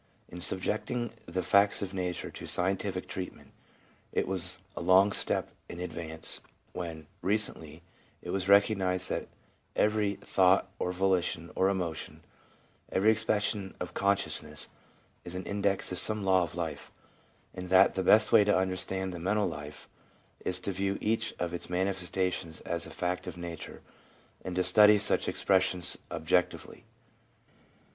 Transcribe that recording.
In subjecting the facts of nature to scientific treatment, it was a long step in advance when, recently, it was recognised that every thought or volition or emotion, every expression of con sciousness, is an index of some law of life ; and that the best way to understand the mental life is to view each of its manifestations as a fact of nature, and to study such expressions objectively.